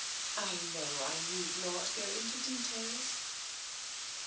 I know I need not go into details."